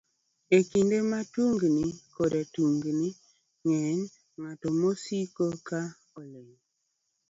E kinde ma tungni koda tungni ng'eny, ng'at masiko ka oling'